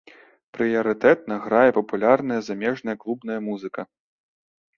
Прыярытэтна грае папулярная замежная клубная музыка.